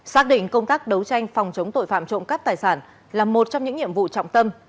xác định công tác đấu tranh phòng chống tội phạm trộm cắp tài sản là một trong những nhiệm vụ trọng tâm